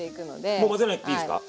もう混ぜなくていいんですか？